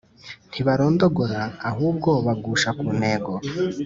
. Ntibarondogora; ahubwo bagusha ku ntego